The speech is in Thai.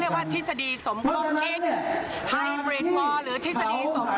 แล้วก็ให้คนไทยนั้นเกลียดชั้นกันเมื่อคนไทยเกลียดชั้นคนไทยจะแยกกันประเทศชาติก็อ่อนแอ